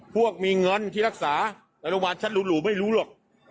พวกมีเงินที่รักษาในโรงพยาบาลฉันหรูไม่รู้หรอก